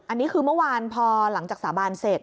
อันนี้คือเมื่อวานพอหลังจากสาบานเสร็จ